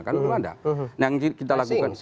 kan luar negara nah yang kita lakukan